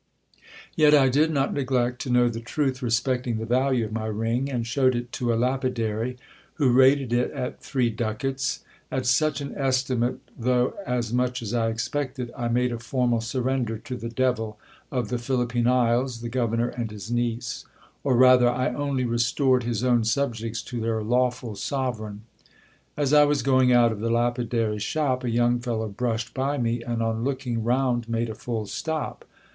Vet I did not neglect to know the truth respecting the value of my ring, and showed it to a lapidary, who rated it at three ducats. At such an estimate, though as much as I expected, I made a formal surrender to the devil, of the Philippine isles, the governor and his niece ; or rather, I only restored his own subjects to their lawful sovereign. As I was going out of the lapidary's shop a young fellow brushed by me, and on looking round, made a full stop.